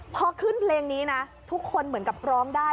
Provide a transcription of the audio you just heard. พอขึ้นเพลงนี้นะทุกคนเหมือนกับร้องได้